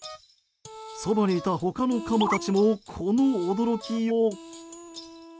そばにいた他のカモたちもこの驚きよう。